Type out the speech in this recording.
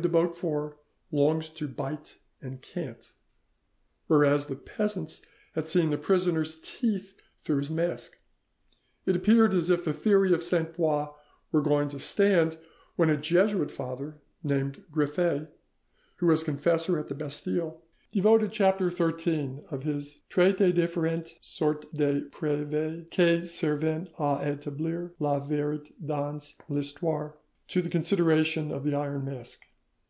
de Beaufort longs to bite and can't," whereas the peasants had seen the prisoner's teeth through his mask. It appeared as if the theory of Sainte Foix were going to stand, when a Jesuit father, named Griffet, who was confessor at the Bastille, devoted chapter xiii, of his 'Traite des differentes Sortes de Preuves qui servent a etablir la Verite dans l'Histoire' (12mo, Liege, 1769) to the consideration of the Iron Mask.